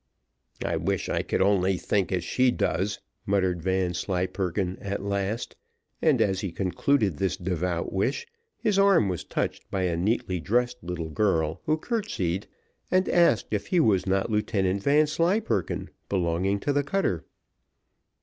"I wish I could only think as she does," muttered Vanslyperken at last; and as he concluded this devout wish, his arm was touched by a neatly dressed little girl, who curtsied, and asked if he was not Lieutenant Vanslyperken, belonging to the cutter.